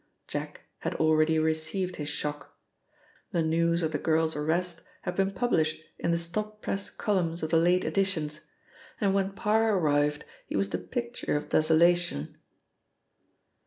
Jack had already received his shock. The news of the girl's arrest had been published in the stop press columns of the late editions, and when Parr arrived he was the picture of desolation.